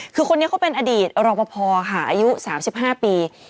คือคนนี้เขาเป็นอดีตรอปภค่ะอายุ๓๕ปี